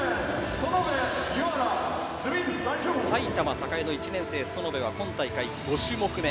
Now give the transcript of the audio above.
埼玉栄高校の１年生、園部は今大会５種目め。